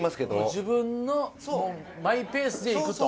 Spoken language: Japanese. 自分のマイペースで行くと。